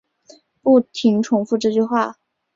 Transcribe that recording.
不停重复这句话